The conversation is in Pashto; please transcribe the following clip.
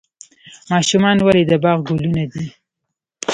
ماشومان ولې د باغ ګلونه دي؟